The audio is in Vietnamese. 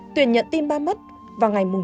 tuyển nhận tin ba mất vào ngày năm tháng tám